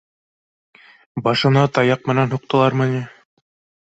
Башына таяҡ менән һуҡ тылармы ни